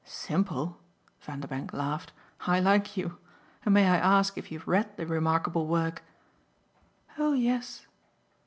"'Simple'?" Vanderbank laughed. "I like you! And may I ask if you've read the remarkable work?" "Oh yes."